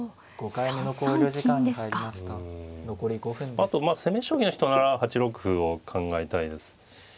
あとまあ攻め将棋の人なら８六歩を考えたいです。